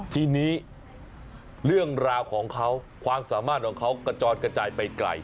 ทีนี้เรื่องราวของเขาความสามารถของเขากระจอนกระจายไปไกล